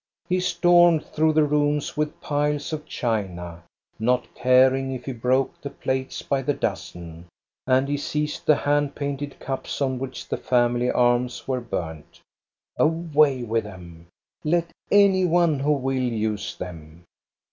He stormed through the rooms with piles of china, not caring if he broke the plates by the dozen, and he seized the hand painted cups on which the family arms were burned. Away with them ! Let any one who will use them